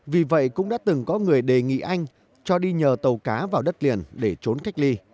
vì vậy cũng đã từng có người đề nghị anh cho đi nhờ tàu cá vào đường phân định